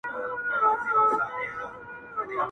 دغه نجلۍ نن له هيندارې څخه زړه راباسي~